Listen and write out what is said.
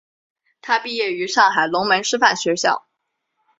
他毕业于上海龙门师范学校。